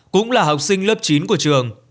cũng là học sinh lớp chín của trường